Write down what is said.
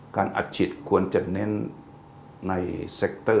การอัดฉิดควรจะเน้นในเศกเตอร์